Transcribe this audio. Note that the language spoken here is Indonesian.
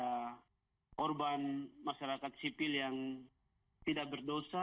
ada korban masyarakat sipil yang tidak berdosa